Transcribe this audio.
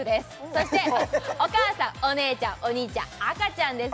そしてお母さんお姉ちゃんお兄ちゃん赤ちゃんです